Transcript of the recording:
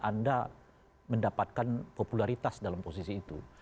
anda mendapatkan popularitas dalam posisi itu